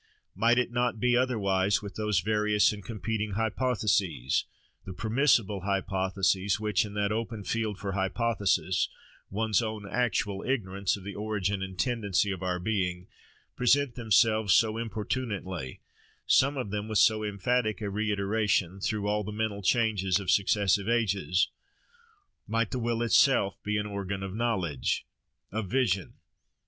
Might it be not otherwise with those various and competing hypotheses, the permissible hypotheses, which, in that open field for hypothesis—one's own actual ignorance of the origin and tendency of our being—present themselves so importunately, some of them with so emphatic a reiteration, through all the mental changes of successive ages? Might the will itself be an organ of knowledge, of vision?